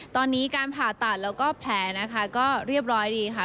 ตอนนี้การผ่าตัดแล้วก็แผลนะคะก็เรียบร้อยดีค่ะ